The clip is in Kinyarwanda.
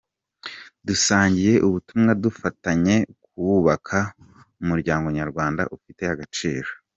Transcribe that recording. Dusangiye ubumuntu, dufatanye kubaka umuryango nyarwanda ufite agaciro.